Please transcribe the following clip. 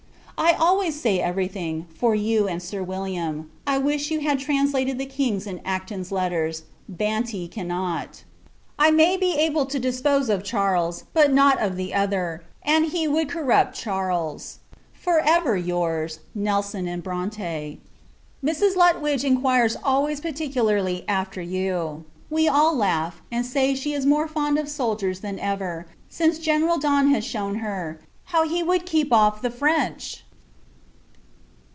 I always say every thing, for you and Sir William. I wish you had translated the King's and Acton's letters, Banti cannot. I may be able to dispose of Charles, but not of the other, and he would corrupt Charles. For ever yours, NELSON & BRONTE. Mrs. Lutwidge inquires always particularly after you. We all laugh, and say she is more fond of soldiers than ever, since General Don has shewn her how he would keep off the French!